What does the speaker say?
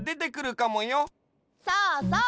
そうそう！